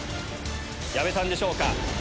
矢部さんでしょうか？